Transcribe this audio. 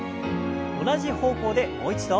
同じ方向でもう一度。